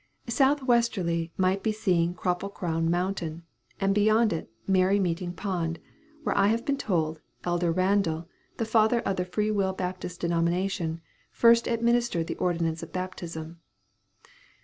South westerly might be seen Cropple crown Mountain; and beyond it, Merry meeting Pond, where, I have been told, Elder Randall, the father of the Free will Baptist denomination, first administered the ordinance of Baptism.